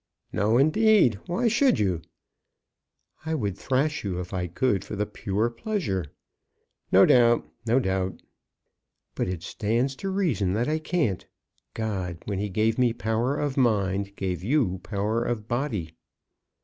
"No, indeed; why should you?" "I would thrash you if I could, for the pure pleasure." "No doubt; no doubt." "But it stands to reason that I can't. God, when He gave me power of mind, gave you power of body."